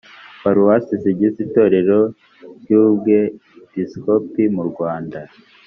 paruwase zigize itorero ry ubwepiskopi murwanda